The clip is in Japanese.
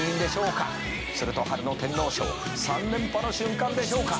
「それと春の天皇賞３連覇の瞬間でしょうか」